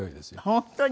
本当に？